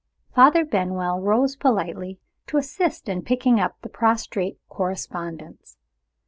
Father Benwell rose politely, to assist in picking up the prostrate correspondence.